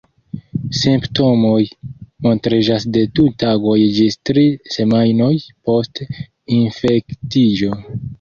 Simptomoj montriĝas de du tagoj ĝis tri semajnoj post infektiĝo.